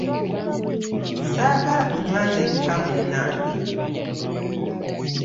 Ssaagala kunywa nzekka munnange.